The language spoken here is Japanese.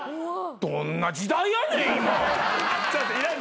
どんな時代やねん今。